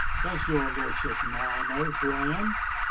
Does your lordship now know who I am?"